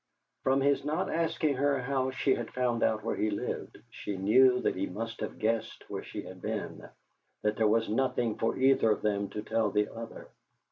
From his not asking her how she had found out where he lived she knew that he must have guessed where she had been, that there was nothing for either of them to tell the other.